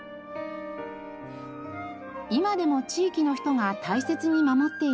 今でも地域の人が大切に守っているお寺です。